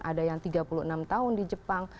ada yang tiga puluh enam tahun di jepang